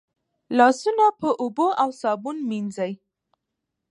لاسونه په اوبو او صابون مینځئ.